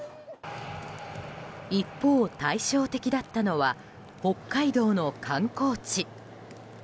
一方、対照的だったのは北海道の観光地。